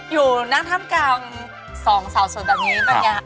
อยู่นั่งท่ามกลาง๒เสาสุนิมแบบนี้